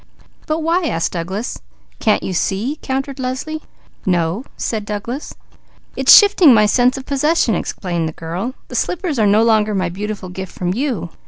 "But why?" asked Douglas. "Can't you see?" countered Leslie. "No," said Douglas. "It's shifting my sense of possession," explained the girl. "The slippers are no longer my beautiful gift from you.